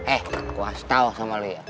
eh gue asetau sama lo ya